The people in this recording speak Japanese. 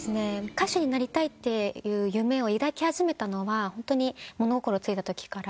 歌手になりたいって夢を抱き始めたのはホントに物心付いたときから。